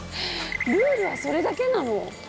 ルールはそれだけなの？